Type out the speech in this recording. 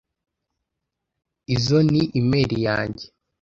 Izoi ni imeri yanjye.